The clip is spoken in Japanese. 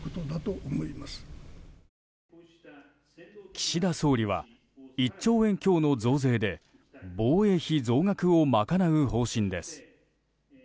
岸田総理は１兆円強の増税で防衛費増額を賄う方針です。